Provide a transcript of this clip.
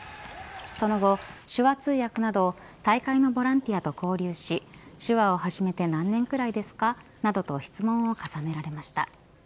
その後、手話通訳など大会のボランティアと交流し手話を始めて何年くらいですかなどと質問を重ねられました。